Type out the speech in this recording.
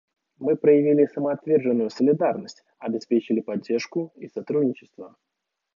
Мы проявили самоотверженную солидарность, обеспечили поддержку и сотрудничество.